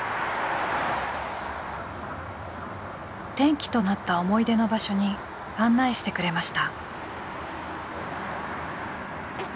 転機となった思い出の場所に案内してくれました。